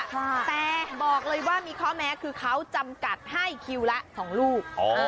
แต่บอกเลยว่ามีข้อแม้คือเขาจำกัดให้คิวละ๒ลูก